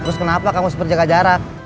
terus kenapa kamu seperti jaga jarak